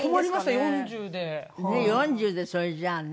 ４０でそれじゃあね。